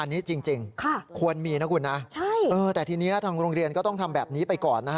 อันนี้จริงควรมีนะคุณนะแต่ทีนี้ทางโรงเรียนก็ต้องทำแบบนี้ไปก่อนนะฮะ